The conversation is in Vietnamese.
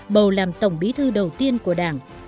bầu làm tổng bí thư đầu tiên của đảng